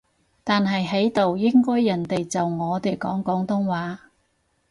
但係喺度應該人哋就我哋講廣東話